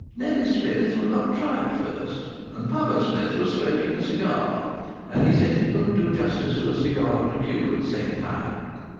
Nellie Smith would not try at first, and Papa Smith was smoking a cigar and he said he couldn't do justice to a cigar and a cue at the same time.